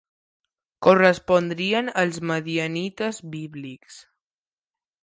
Correspondrien als madianites bíblics.